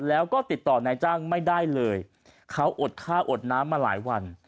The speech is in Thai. แล้วก็ติดต่อนายจ้างไม่ได้เลยเขาอดข้าวอดน้ำมาหลายวัน